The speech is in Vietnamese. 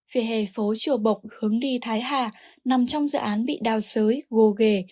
phía hề phố chùa bộc hướng đi thái hà nằm trong dự án bị đao sới gô ghề